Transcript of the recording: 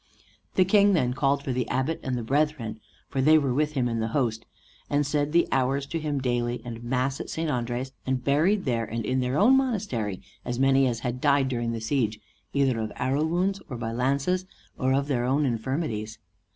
The King then called for the abbot and the brethren, for they were with him in the host, and said the hours to him daily, and mass in St. Andre's, and buried there and in their monastery as many as had died during the siege, either of arrow wounds or by lances, or of their own infirmities.